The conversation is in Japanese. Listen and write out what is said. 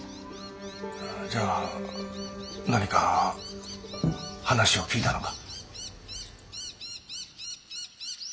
じゃあ何か話を聞いたのか？